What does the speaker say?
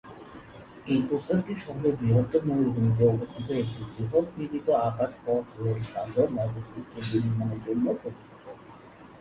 এই প্রস্তাবটি শহরের বৃহত্তর মরুভূমিতে অবস্থিত একটি বৃহৎ মিলিত আকাশ পথ-রেল-সাগর লজিস্টিক কেন্দ্র নির্মাণের জন্য প্রযোজ্য।